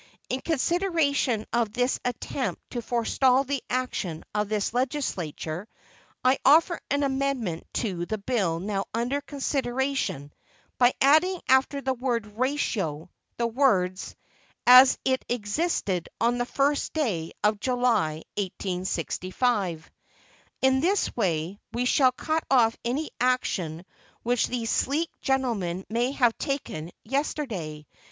In consideration of this attempt to forestall the action of this legislature, I offer an amendment to the bill now under consideration by adding after the word "ratio," the words "as it existed on the first day of July, 1865." In this way, we shall cut off any action which these sleek gentlemen may have taken yesterday.